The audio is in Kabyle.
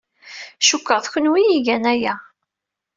Cikkeɣ d kenwi ay igan aya.